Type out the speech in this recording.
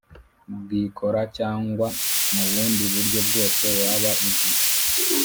bwikora cyangwa mu bundi buryo bwose waba uzi